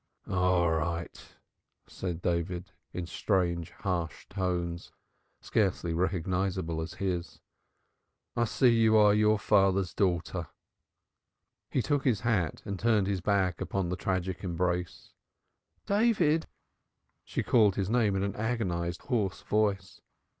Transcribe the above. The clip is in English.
"All right!" said David in strange harsh tones, scarcely recognizable as his. "I see you are your father's daughter." He took his hat and turned his back upon the tragic embrace. "David!" She called his name in an agonized hoarse voice.